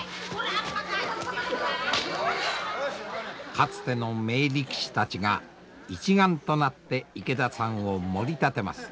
かつての名力士たちが一丸となって池田さんをもり立てます。